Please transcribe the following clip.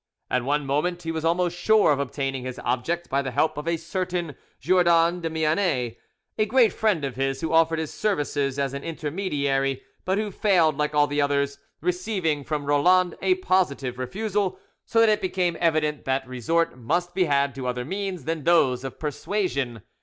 At one moment he was almost sure of obtaining his object by the help of a certain Jourdan de Mianet, a great friend of his, who offered his services as an intermediary, but who failed like all the others, receiving from Roland a positive refusal, so that it became evident that resort must be had to other means than those of persuasion.